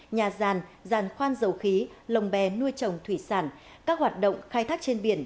nhà ràn ràn khoan dầu khí lồng bé nuôi trồng thủy sản các hoạt động khai thác trên biển